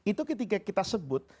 itu ketika kita sebut